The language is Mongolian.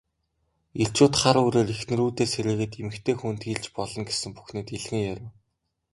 Эрчүүд хар үүрээр эхнэрүүдээ сэрээгээд эмэгтэй хүнд хэлж болно гэсэн бүхнээ дэлгэн ярив.